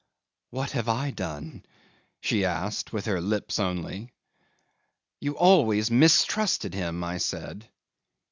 '"What have I done?" she asked with her lips only. '"You always mistrusted him," I said.